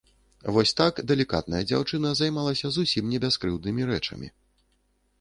Вось так далікатная дзяўчына займалася зусім не бяскрыўднымі рэчамі.